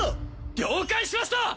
了解しました！